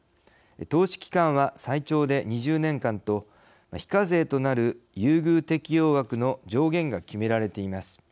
投資期間は最長で２０年間と非課税となる優遇適用枠の上限が決められています。